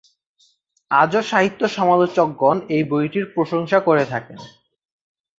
আজও সাহিত্য সমালোচকগণ এই বইটির প্রশংসা করে থাকেন।